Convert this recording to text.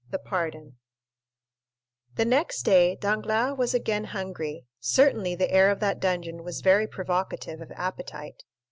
The Pardon The next day Danglars was again hungry; certainly the air of that dungeon was very provocative of appetite.